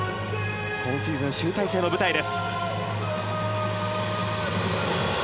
今シーズン集大成の舞台です。